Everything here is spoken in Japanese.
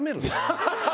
ハハハハ！